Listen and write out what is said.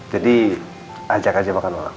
jadi ajak aja makan malam